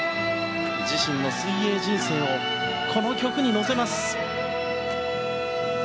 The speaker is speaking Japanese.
自身の水泳人生をこの曲に乗せます。